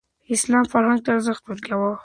اسلام فرهنګ ته ارزښت ورکوي.